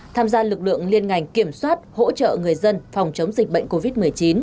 tham gia lực lượng liên ngành kiểm soát hỗ trợ người dân phòng chống dịch bệnh covid một mươi chín